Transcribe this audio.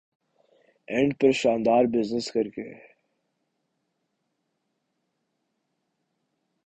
and پر شاندار business کرکے